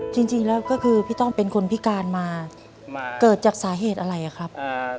จริงแล้วก็คือพี่ต้องเป็นคนพิการมาเกิดจากสาเหตุอะไรครับ